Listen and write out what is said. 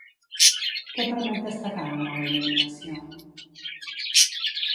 Què permet destacar la nova il·luminació?